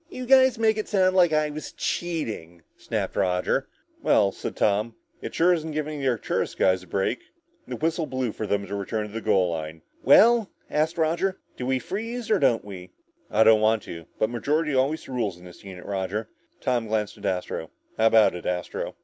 "You guys make it sound like I was cheating," snapped Roger. "Well," said Tom, "it sure isn't giving the Arcturus guys a break." The whistle blew for them to return to the goal line. "Well," asked Roger, "do we freeze or don't we?" "I don't want to. But majority always rules in this unit, Roger." Tom glanced at Astro. "How about it, Astro?"